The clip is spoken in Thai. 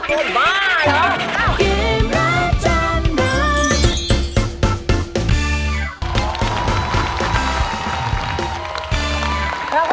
เกมรับจำนั้น